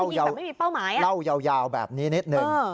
วิ่งยิงแบบไม่มีเป้าหมายเล่าเยาวแบบนี้นิดนึง